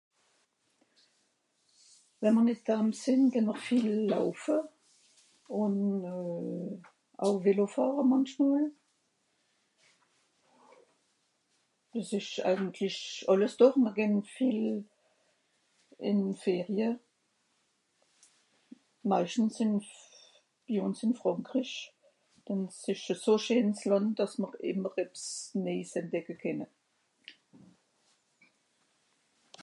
We mr nìt dhaam sìnn geh mr viel laufe. Ùn euh... au Vélo fàhre mànchmol. Dìs ìsch eigentlich àlles. Doch mr gehn viel ìn Ferie. Meischtens sìnn s bi uns ìn Frànkrich, denn s ìsch e so scheens Lànd, dàss m'r ìmmer ebbs néis entdecke kenne.